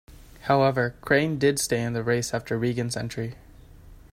However, Crane did stay in the race after Reagan's entry.